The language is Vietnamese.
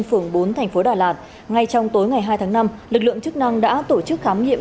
phường bốn thành phố đà lạt ngay trong tối ngày hai tháng năm lực lượng chức năng đã tổ chức khám nghiệm